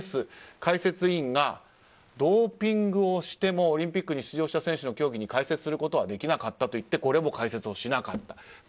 解説委員がドーピングをしてもオリンピックに出場した選手の競技に解説することはできなかったと言ってこれも解説しなかった。